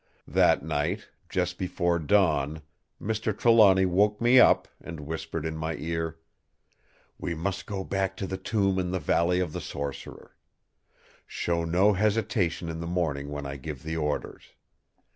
That night, just before dawn, Mr. Trelawny woke me up and whispered in my ear: "'We must go back to the tomb in the Valley of the Sorcerer. Show no hesitation in the morning when I give the orders!